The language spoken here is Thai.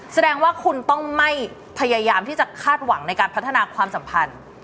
แสดงว่าคุณต้องไม่พยายามที่จะคาดหวังในการพัฒนาความสัมพันธ์